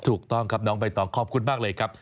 ถูกต้องครับน้องใบตองขอบคุณมากเลยครับ